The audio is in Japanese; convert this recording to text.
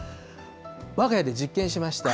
わが家で実験しました。